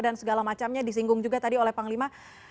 dan segala macamnya disinggung juga tadi oleh panglima